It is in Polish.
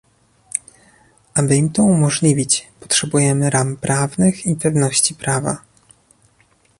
Aby im to umożliwić, potrzebujemy ram prawnych i pewności prawa